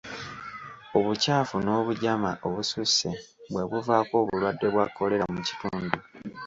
Obukyafu n'obujama obususse bwe buvaako obulwadde bwa kolera mu kitundu.